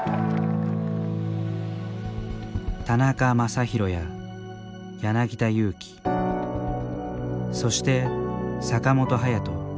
田中将大や柳田悠岐そして坂本勇人。